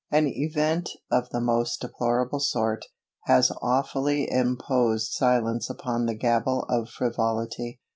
An event of the most deplorable sort, has awfully imposed silence upon the gabble of frivolity.